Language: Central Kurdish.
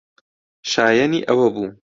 شایەنی ئەوە بوو.